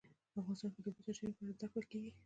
افغانستان کې د د اوبو سرچینې په اړه زده کړه کېږي.